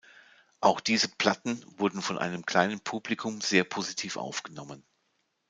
Auch diese Platten wurden von einem kleinen Publikum sehr positiv aufgenommen.